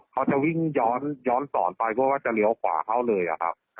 เขาจะวิ่งย้อนสอนไปเพราะว่าจะเลี้ยวขวาเข้าเลยอะครับ